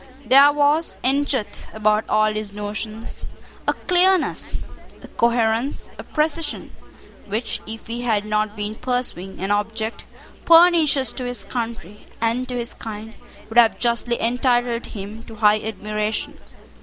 There was, in truth, about all his notions a clearness, a coherence, a precision, which, if he had not been pursuing an object pernicious to his country and to his kind, would have justly entitled him to high admiration.